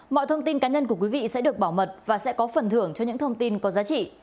mọi thông tin cá nhân của quý vị sẽ được bảo mật và sẽ có phần thưởng cho những thông tin có giá trị